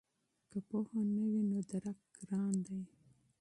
که پوهه نه وي نو درک ګران دی.